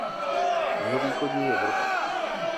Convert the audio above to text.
Jihovýchodní Evropa.